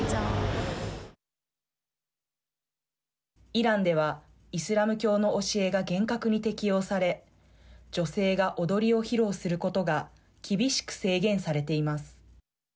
イランではイスラム教の教えが厳格に適用され女性が踊りを披露することが厳しく制限されています。